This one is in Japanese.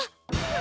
あ！